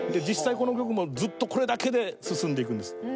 実際、この曲も、ずっとこれだけで進んでいくんです。